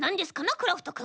クラフトくん。